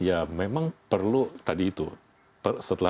harus memberitahu agar bisa mendapatkan tulisan